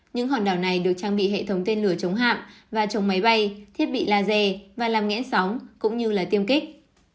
những hòn đảo này được trang bị hệ thống tên lửa chống hạm và chống máy bay thiết bị laser và làm ngẽn sóng cũng như tiêm kích